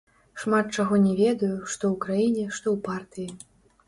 Шмат чаго не ведаю, што ў краіне, што ў партыі.